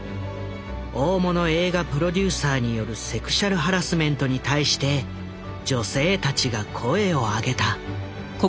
大物映画プロデューサーによるセクシャルハラスメントに対して女性たちが声を上げた。